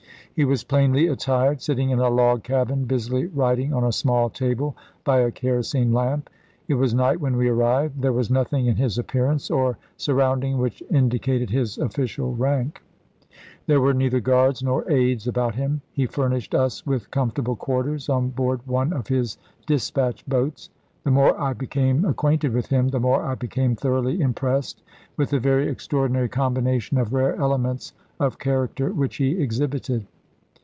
He was plainly attired, sitting in a log cabin, busily writing on a small table, by a kerosene lamp. It was night when we arrived. There was nothing in his appearance or surround ings which indicated his official rank. There were neither guards nor aids about him. .. He fur nished us with comfortable quarters on board one of his dispatch boats. The more I became ac quainted with him, the more I became thoroughly impressed with the very extraordinary combination of rare elements of character which he exhibited.